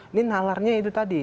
ini nalarnya itu tadi